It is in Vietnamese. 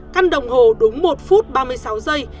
căn đồng hồ đúng một phút ba mươi sáu giây